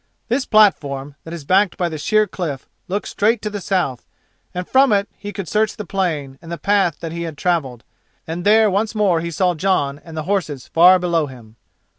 This platform, that is backed by the sheer cliff, looks straight to the south, and from it he could search the plain and the path that he had travelled, and there once more he saw Jon and the horses far below him.